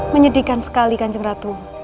menyedihkan sekali kanjeng ratu